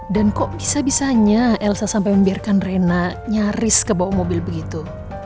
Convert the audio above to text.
dan kok bisa bisanya elsa sampai membiarkan rena nyaris ke bawah mobil begitu